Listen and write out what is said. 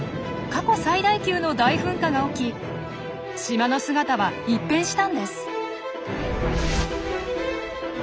過去最大級の大噴火が起き島の姿は一変したんです。